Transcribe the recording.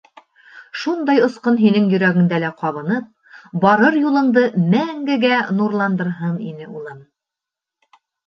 Шундай осҡон һинең йөрәгеңдә лә ҡабынып, барыр юлыңды мәңгегә нурландырһын ине, улым!